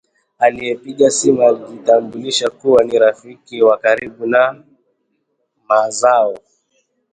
Aliyepiga simu alijitambulisha kuwa ni rafiki wa karibu wa Mazoa